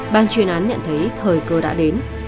ban chuyên án nhận thấy thời cơ đã đến